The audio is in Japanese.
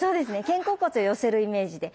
肩甲骨を寄せるイメージで。